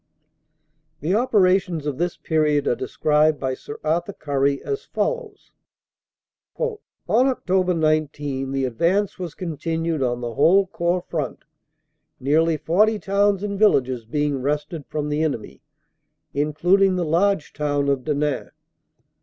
The operations of this period are described by Sir Arthur Currie as follows: "On Oct. 19 the advance was continued on the whole Corps front, nearly 40 towns and villages being wrested from the enemy, including the large town of Denain.